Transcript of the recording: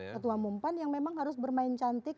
ketua mumpan yang memang harus bermain cantik